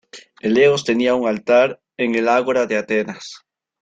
Eleos tenía un altar en el ágora de Atenas.